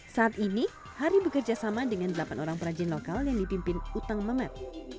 saat ini hari bekerja sama dengan delapan orang perajin lokal yang dipimpin utang memet